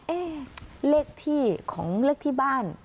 เลขที่ของเลขที่บ้าน